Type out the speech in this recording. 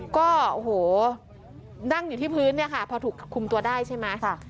ก็โอ้โหนั่งอยู่ที่พื้นเนี่ยค่ะพอถูกคุมตัวได้ใช่ไหม